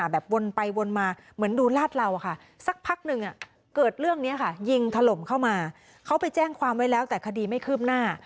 วนไปวนมาเหมือนดูลาดเหล่าค่ะสักพักหนึ่งเกิดเรื่องนี้ค่ะยิงถล่มเข้ามาเขาไปแจ้งความไว้แล้วแต่คดีไม่คืบหน้า